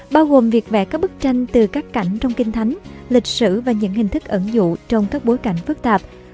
bao gồm việc vẽ các bức tranh từ các cảnh trong kinh thánh lịch sử và những hình thức ẩn dụ trong các bối cảnh phức tạp